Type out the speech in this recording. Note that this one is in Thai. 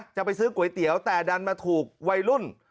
จะไปซื้อก๋วยเตี๋ยวแต่ดันมาถูกวัยรุ่น